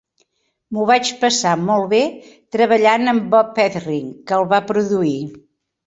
M'ho vaig passar molt bé treballant amb Bob Ezrin, que el va produir.